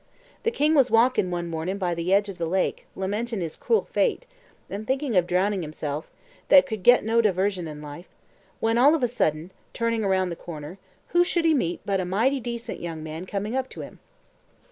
The king was walkin' one mornin' by the edge of the lake, lamentin' his cruel fate, and thinking of drowning himself, that could get no diversion in life, when all of a sudden, turning round the corner, who should he meet but a mighty decent young man coming up to him.